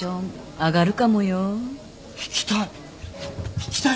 行きたい。